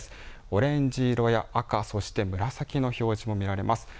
オレンジ色や赤そして紫の表示も見られます。